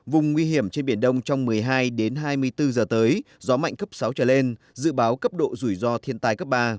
vùng nguy hiểm trên biển đông trong một mươi hai đến hai mươi bốn giờ tới gió mạnh cấp sáu trở lên dự báo cấp độ rủi ro thiên tài